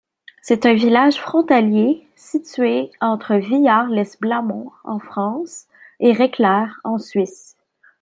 C'est un village frontalier, situé entre Villars-lès-Blamont en France et Réclère en Suisse.